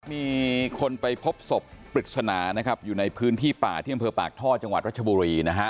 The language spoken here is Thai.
มีคนไปพบสบปริศนาอยู่ในพื้นที่ป่าที่อำเภอปากท่อจังหวัดรัชบูรี